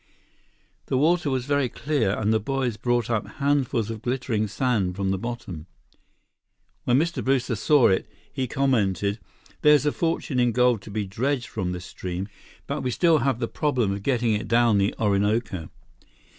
The water was very clear, and the boys brought up handfuls of glittering sand from the bottom. When Mr. Brewster saw it, he commented: "There's a fortune in gold to be dredged from this stream. But we still have the problem of getting it down the Orinoco."